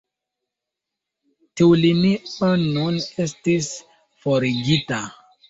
Tiu linio nun estis forigita.